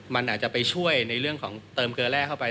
มันอาจจะไปช่วยในเรื่องของเติมเกลือแร่เข้าไป